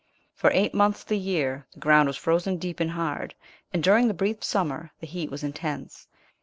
For eight months of the year the ground was frozen deep and hard, and during the brief summer the heat was intense.